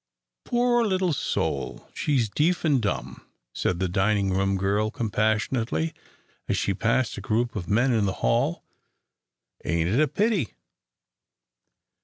"Poor little soul she's deef and dumb," said the dining room girl, compassionately, as she passed a group of men in the hall. "Ain't it a pity?"